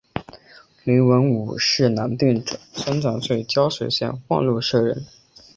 黎文敔是南定省春长府胶水县万禄社人。